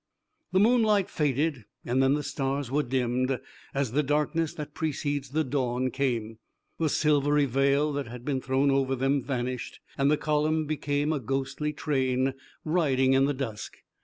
The moonlight faded and then the stars were dimmed, as the darkness that precedes the dawn came. The silvery veil that had been thrown over them vanished and the column became a ghostly train riding in the dusk.